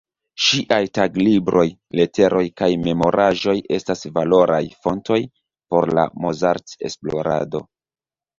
Ŝiaj taglibroj, leteroj kaj memoraĵoj estas valoraj fontoj por la Mozart-esplorado.